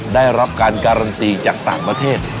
ได้รับการการันตีจากต่างประเทศ